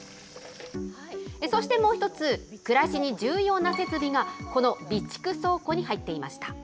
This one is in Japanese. そして、もう一つ、暮らしに重要な設備が、この備蓄倉庫に入っていました。